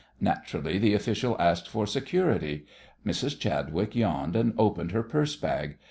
Naturally the official asked for security. Mrs. Chadwick yawned and opened her purse bag.